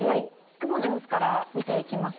雲の様子から見ていきますと。